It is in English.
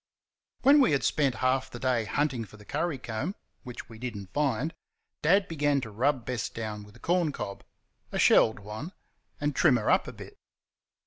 When we had spent half the day hunting for the curry comb, which we did n't find, Dad began to rub Bess down with a corn cob a shelled one and trim her up a bit.